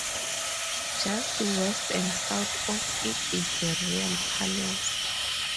Just west and south of it is the Royal Palace.